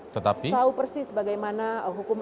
setahu persis bagaimana hukum